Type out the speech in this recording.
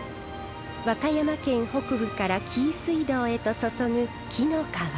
和歌山県北部から紀伊水道へと注ぐ紀の川。